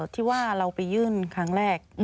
ที่ว่าเราไปยื่นครั้งแรก